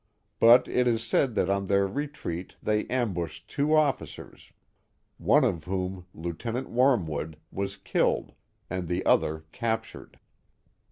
But it is said that on their retreat they ambushed two officers, one of whom, Lieutenant Wormwood, was killed, and the other captured.